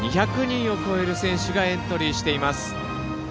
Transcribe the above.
２００人を超える選手がエントリーしています。